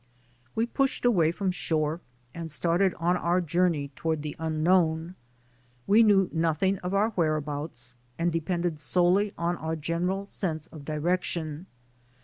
We pushed away from shore and started on our journey toward the unknown. We knew nothing of our whereabouts and depended solely on our general sense of direction.